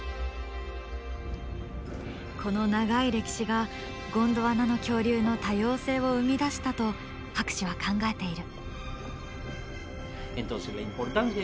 この長い歴史がゴンドワナの恐竜の多様性を生み出したと博士は考えている。